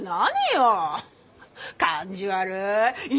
感じ悪い！